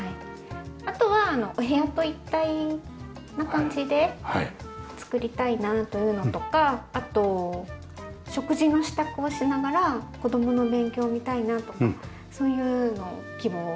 あとはお部屋と一体な感じで作りたいなというのとかあと食事の支度をしながら子供の勉強を見たいなとかそういうのを希望。